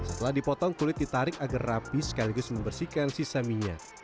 setelah dipotong kulit ditarik agar rapi sekaligus membersihkan sisa minyak